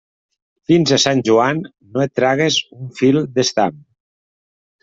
Fins a Sant Joan, no et tragues un fil d'estam.